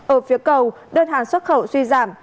ở phía cầu đơn hàng xuất khẩu suy giảm